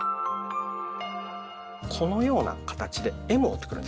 このような形でＭを作るんですね。